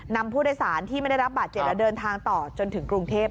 นำผู้โดยสารที่ไม่ได้รับบาดเจ็บและเดินทางต่อจนถึงกรุงเทพ